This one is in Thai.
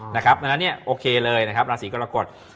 แล้วนี่โอเคเลยนะครับราศีกรกฎ